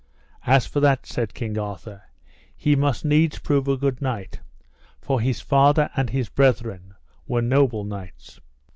As for that, said King Arthur, he must needs prove a good knight, for his father and his brethren were noble knights.